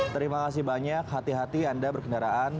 terima kasih banyak hati hati anda berkendaraan